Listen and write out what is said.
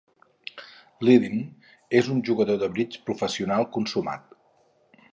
Ledeen és un jugador de bridge professional consumat.